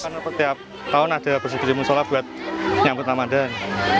karena setiap tahun ada bersih bersih musola buat nyambut namadan